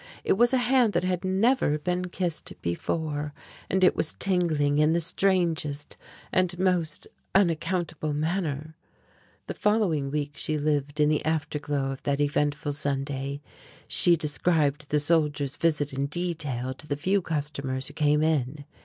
It was a hand that had never been kissed before and it was tingling in the strangest and most unaccountable manner. The following week was lived in the afterglow of that eventful Sunday. She described the soldier's visit in detail to the few customers who came in.